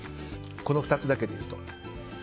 この２つだけでいうと。